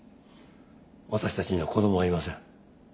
私たちには子供はいません。